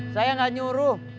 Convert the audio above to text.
saya enggak nyuruh